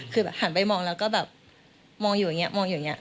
คือหันไปมองแล้วก็แบบมองอยู่อย่างนี้